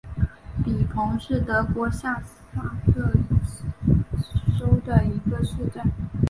比彭是德国下萨克森州的一个市镇。